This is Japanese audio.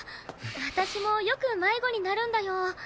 私もよく迷子になるんだよ。